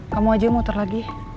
kamu aja yang motor lagi